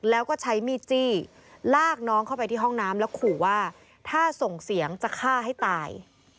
แล้วก็ใช้มีดจี้ลากน้องเข้าไปที่ห้องน้ำแล้วขู่ว่าถ้าส่งเสียงจะฆ่าให้ตาย